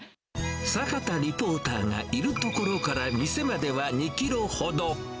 坂田リポーターがいる所から店までは２キロほど。